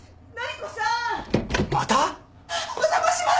お邪魔します！